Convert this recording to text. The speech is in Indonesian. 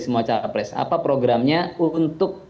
semua capres apa programnya untuk